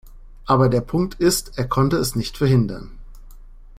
Aber der Punkt ist, er konnte es nicht verhindern.